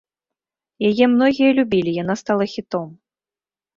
Яе многія любілі, яна стала хітом.